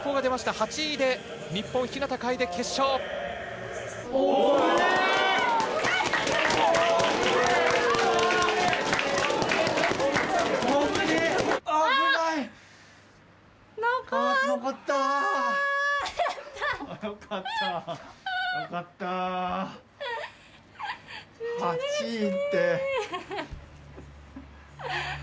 ８位って。